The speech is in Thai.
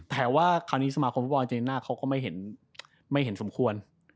แต่ว่าคราวนี้สมาคมฟุตบอลเจน่าเขาก็ไม่เห็นสมควร